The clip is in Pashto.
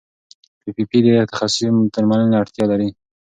پي پي پي د تخصصي درملنې اړتیا لري.